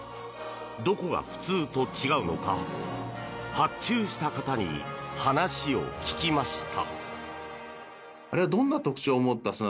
どこが普通と違うのか発注した方に話を聞きました。